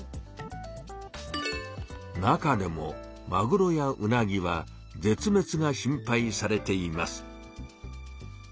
中でもマグロやウナギはぜつめつが心配されています。